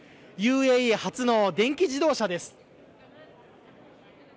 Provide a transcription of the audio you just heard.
ＵＡＥ初の電気自動車です。